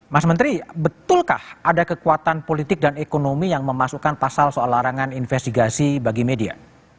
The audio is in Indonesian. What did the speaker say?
mas menteri betulkah ada kekuatan politik dan ekonomi yang memasukkan pasal soal larangan investigasi bagi media